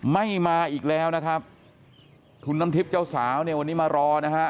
ไม่มาอีกแล้วนะครับคุณน้ำทิพย์เจ้าสาวเนี่ยวันนี้มารอนะฮะ